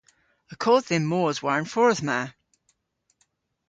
Y kodh dhymm mos war'n fordh ma.